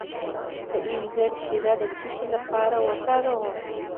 د انځر شیره د څه لپاره وکاروم؟